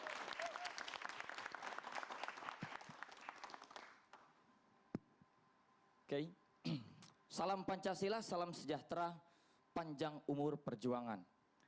oke salam pancasila salam sejahtera panjang umur perjuangan